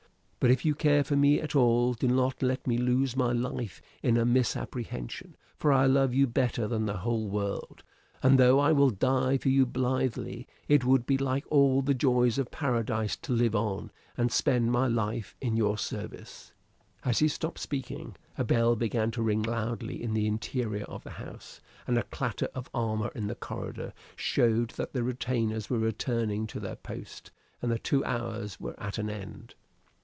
But if you care for me at all do not let me lose my life in a misapprehension; for I love you better than the whole world; and though I will die for you blithely, it would be like all the joys of Paradise to live on and spend my life in your service." As he stopped speaking, a bell began to ring loudly in the interior of the house; and a clatter of armor in the corridor showed that the retainers were returning to their post, and the two hours were at an end.